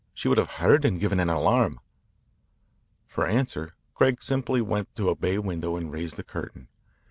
She would have heard and given an alarm." For answer, Craig simply went to a bay window and raised the curtain.